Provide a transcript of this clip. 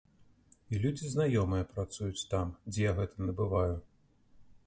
І людзі знаёмыя працуюць там, дзе я гэта набываю.